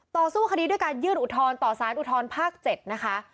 ต่อสู้คดีด้วยการยื่นอุทธรณ์ต่อสารอุทธรภาค๗นะคะ